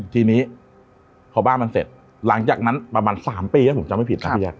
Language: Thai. ทีนี้พอบ้านมันเสร็จหลังจากนั้นประมาณ๓ปีแล้วผมจำไม่ผิดนะพี่แจ